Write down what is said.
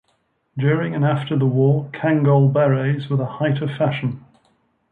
During and after the war, Kangol berets were the height of fashion.